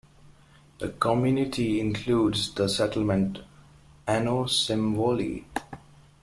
The community includes the settlement Ano Symvoli.